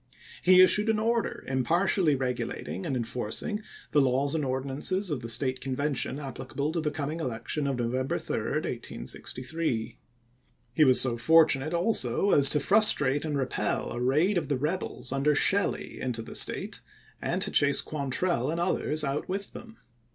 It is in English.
He issued an order impartially regulating and enforcing the laws and ordinances of the State Convention applicable to the coming election of November 3, 1863. He was so fortunate also as to frustrate and repel a raid of the rebels under Shelley into the State, and to chase Quantrell and others out with them.